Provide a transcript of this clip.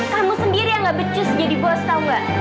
kamu sendiri yang gak becus jadi bos tau gak